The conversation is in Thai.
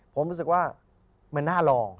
ผมรู้สึกว่ามันน่ารอ